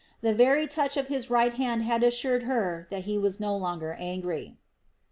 The very touch of his right hand had assured her that he was no longer angry.